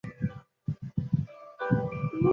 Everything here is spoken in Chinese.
安许茨总部设于德国乌尔姆。